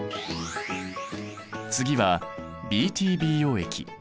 次はＢＴＢ溶液。